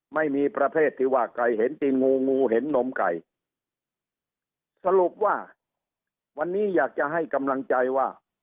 ไม่มีประเภทที่ว่าใครเห็นตีงูงูเห็นนมไก่สรุปว่าวันนี้อยากจะให้กำลังใจว่า